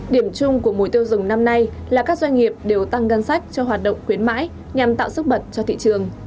điểm chung của mùa tiêu dùng năm nay là các doanh nghiệp đều tăng ngân sách cho hoạt động khuyến mãi nhằm tạo sức bật cho thị trường